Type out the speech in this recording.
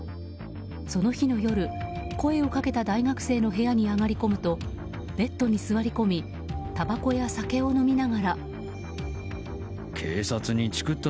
その日の夜、声をかけた大学生の部屋に上がり込むとベッドに座り込みたばこや酒を飲みながら。